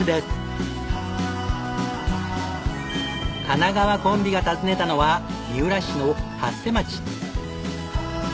神奈川コンビが訪ねたのは三浦市の初声町。